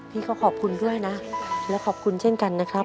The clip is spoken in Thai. พี่ก็ขอบคุณด้วยนะและขอบคุณเช่นกันนะครับ